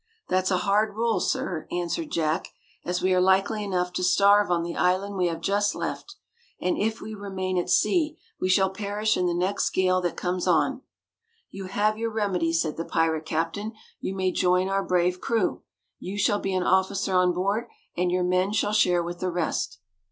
"That's a hard rule, sir," answered Jack, "as we are likely enough to starve on the island we have just left, and if we remain at sea we shall perish in the next gale that comes on." "You have your remedy," said the pirate captain. "You may join our brave crew. You shall be an officer on board, and your men shall share with the rest."